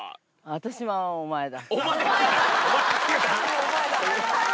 私もお前だ。